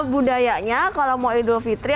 budayanya kalau mau idul fitri